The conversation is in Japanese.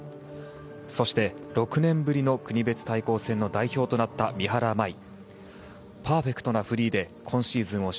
そして、６年ぶりの国別対抗戦の代表となった三原舞依。